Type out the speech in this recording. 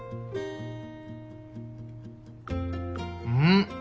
うん？